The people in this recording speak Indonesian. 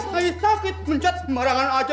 pak girun bukan sakit mencet marangan aja